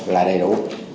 là đầy đủ